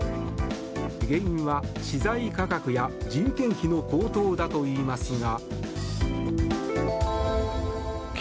原因は資材価格や人件費の高騰だといいますが。